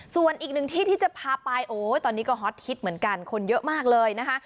ส่วนอีกหนึ่งที่ที่จะพาไปโอ้ยตอนนี้ก็ฮอตฮิตเหมือนกันคนเยอะมากเลยนะคะ